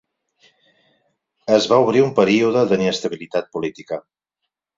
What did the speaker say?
Es va obrir un període d'inestabilitat política.